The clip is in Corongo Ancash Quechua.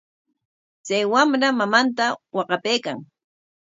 Chay wamra mamanta waqapaykan.